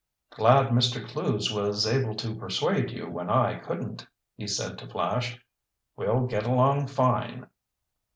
"Glad Mr. Clewes was able to persuade you when I couldn't," he said to Flash. "We'll get along fine."